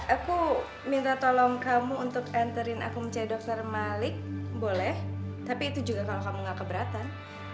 aku minta tolong kamu untuk enterin aku menjadi dokter malik boleh tapi itu juga kalau kamu gak keberatan